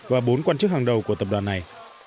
và bốn quan chức hàng đầu của tập đoàn này